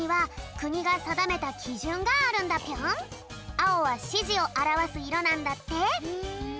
あおはしじをあらわすいろなんだって。